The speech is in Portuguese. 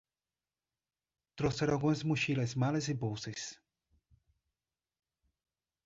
Trouxeram algumas mochilas, malas e bolsas